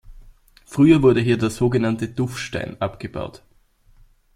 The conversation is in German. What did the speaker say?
Früher wurde hier der sogenannte Tuffstein abgebaut.